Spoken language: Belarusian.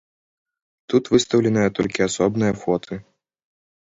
Тут выстаўленыя толькі асобныя фоты.